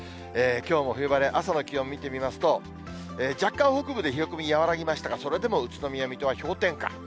きょうも冬晴れ、朝の気温を見てみますと、若干北部で冷え込み和らぎましたが、それでも宇都宮、水戸は氷点下。